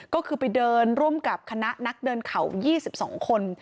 ก็คือไปเดินร่วมกับคณะนักเดินเขา๒๒คน